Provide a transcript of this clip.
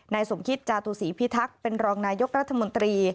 สมคิตจาตุศีพิทักษ์เป็นรองนายกรัฐมนตรี